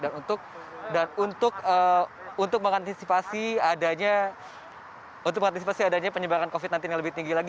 dan untuk mengantisipasi adanya penyebaran covid sembilan belas yang lebih tinggi lagi